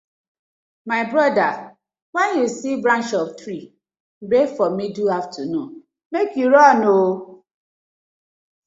My bother wen yu see branch of tree break for middle afternoon mek yu run ooo.